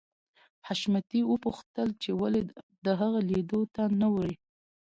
حشمتي وپوښتل چې ولې د هغه لیدو ته نه ورې